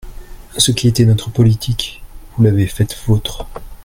Ce qui était notre politique, vous l’avez faite vôtre.